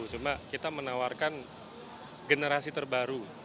cuma kita menawarkan generasi terbaru